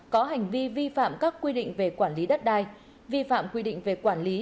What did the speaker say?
có hành vi vi phạm các quy định về quản lý đất đai vi phạm quy định về quản lý